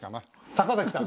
坂崎さん。